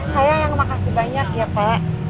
saya yang makasih banyak ya pak